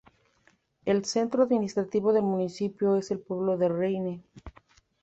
El centro administrativo del municipio es el pueblo de Reine.